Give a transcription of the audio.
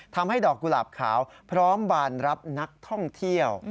ทำให้ดอกกุหลาบขาวพร้อมบานรับนักท่องเที่ยว